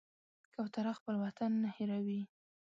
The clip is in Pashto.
کوتره خپل وطن نه هېروي.